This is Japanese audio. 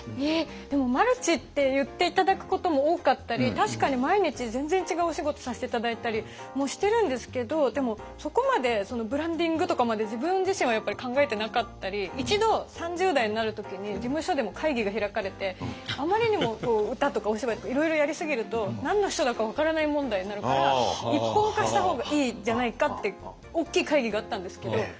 えでもマルチって言って頂くことも多かったり確かに毎日全然違うお仕事させて頂いたりもしてるんですけどでもそこまでブランディングとかまで自分自身はやっぱり考えてなかったり一度３０代になる時に事務所でも会議が開かれてあまりにも歌とかお芝居とかいろいろやりすぎると何の人だか分からない問題になるから一本化した方がいいんじゃないかって大きい会議があったんですけど